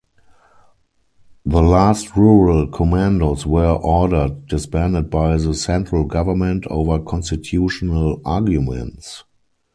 The last rural commandos were ordered disbanded by the central government over constitutional arguments.